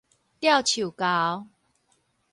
吊樹猴